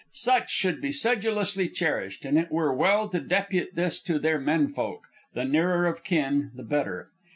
Such should be sedulously cherished, and it were well to depute this to their men folk, the nearer of kin the better.